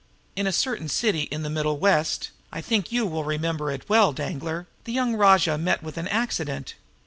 In a certain city in the Middle West I think you will remember it well, Danglar the young rajah met with an accident.